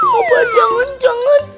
mbak jangan jangan